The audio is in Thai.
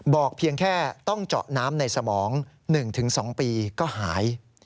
เพียงแค่ต้องเจาะน้ำในสมอง๑๒ปีก็หาย